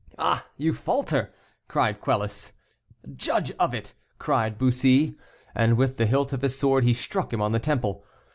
"Ah, you falter!" cried Quelus. "Judge of it!" cried Bussy. And with the hilt of his sword he struck him on the temple.